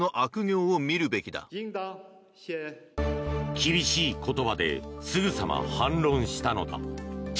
厳しい言葉ですぐさま反論したのだ。